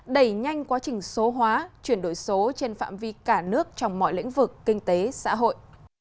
đẩy nhanh quá trình số hóa chuyển đổi số trên phạm vi cả nước trong mọi lĩnh vực kinh tế xã hội